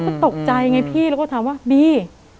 ก็ตกใจไงพี่แล้วก็ถามว่าบี